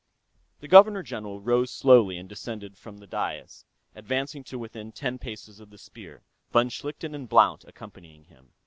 The Governor General rose slowly and descended from the dais, advancing to within ten paces of the Spear, von Schlichten and Blount accompanying him.